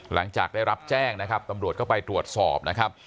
หลังจากได้รับแจ้งตำรวจก็ไปตรวจสอบ